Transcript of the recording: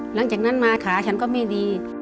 หลังจากนั้นมาขาฉันก็ไม่ดี